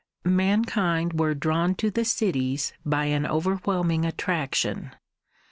Mankind were drawn to the cities by an overwhelming attraction.